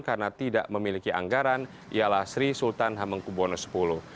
karena tidak memiliki anggaran ialah sri sultan hamengkubwono x